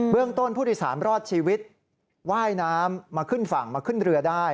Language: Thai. เรื่องต้นผู้โดยสารรอดชีวิตว่ายน้ำมาขึ้นฝั่งมาขึ้นเรือได้